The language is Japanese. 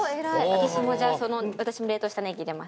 私もじゃあ私も冷凍したネギ入れます。